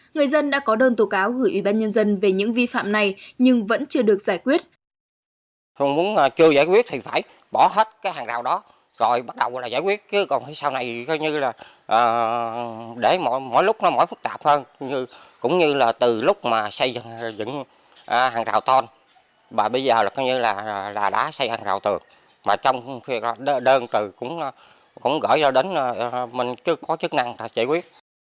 người dân đã có đơn tố cáo gửi ủy ban nhân dân về những vi phạm này nhưng vẫn chưa được giải quyết